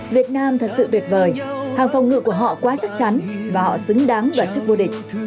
việt nam thật sự tuyệt vời hàng phòng ngự của họ quá chắc chắn và họ xứng đáng vào chức vô địch